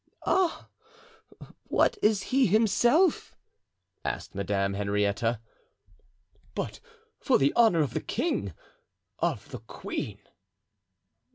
"Ah! what is he himself?" asked Madame Henrietta. "But for the honor of the king—of the queen."